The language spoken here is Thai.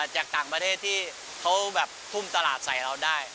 จากต่างประเทศที่เขาแบบทุ่มตลาดใส่เราได้